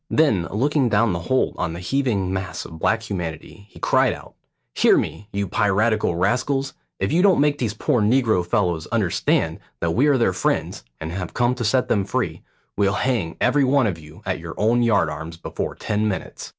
Then looking down the hold on the heaving mass of black humanity, he cried out, "Hear me, you piratical rascals; if you don't make those poor negro fellows understand that we are their friends, and have come to set them free, we'll hang every one of you at your own yard arms before ten minutes."